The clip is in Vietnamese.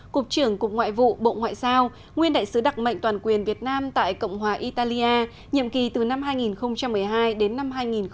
cục trưởng cục ngoại vụ bộ ngoại giao nguyên đại sứ đặc mệnh toàn quyền việt nam tại cộng hòa italia nhiệm kỳ từ năm hai nghìn một mươi hai đến năm hai nghìn một mươi bảy